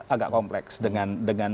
agak kompleks dengan